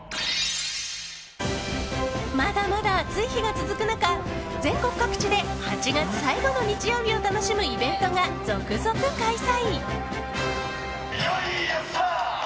まだまだ暑い日が続く中全国各地で８月最後の日曜日を楽しむイベントが続々開催。